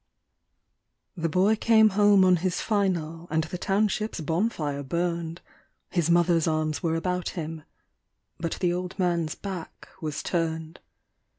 The boy came home on his "final", and the township's bonfire burned. His mother's arms were about him; but the old man's back was turned.